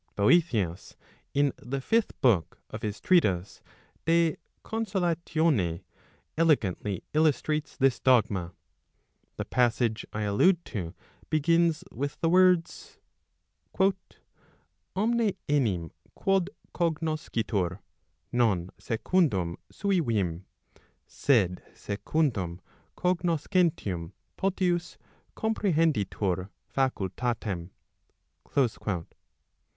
Boethius in the 5th book of his treatise De Consolatione, elegantly illustrates this dogma. The passage I allude to begins with the words: Omne enirn quod cognoscitur, non secundum sui vim, sed secun¬ dum cognoscentium potius comprehenditur facultatem."